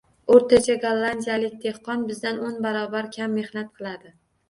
Oʻrtacha gollandiyalik dehqon bizdan o‘n barobar kam mehnat qiladi.